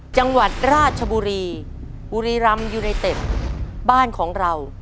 จังหวัดราชบุรีจะได้นะครับ